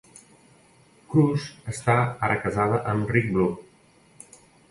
Crouse està ara casada amb Rick Blue.